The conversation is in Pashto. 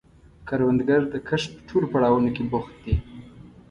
کروندګر د کښت په ټولو پړاوونو کې بوخت دی